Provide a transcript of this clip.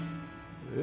えっ？